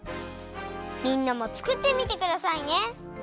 みんなもつくってみてくださいね！